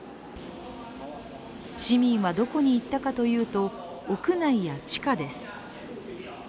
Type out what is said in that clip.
市民はどこに行ったかというと屋内や地下です。